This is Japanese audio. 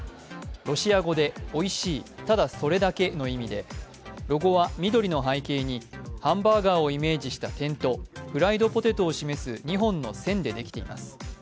ロシア語で「おいしい、ただそれだけ」の意味で、ロゴは緑の背景にハンバーガーをイメージした点とフライドポテトを示す２本の線でできています。